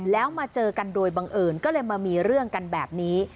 แล้วมาเจอกันโดยบังเอิญก็เลยมามีเรื่องกันแบบนี้